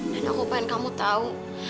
dan aku pengen kamu tahu